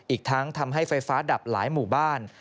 อีกทั้งทำให้ไฟฟ้าดับหลายหมู่บ้าน